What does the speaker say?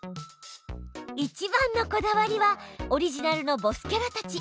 いちばんのこだわりはオリジナルのボスキャラたち。